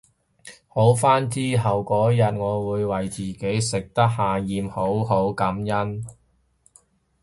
好返之後嗰日我會為自己食得下嚥好好感恩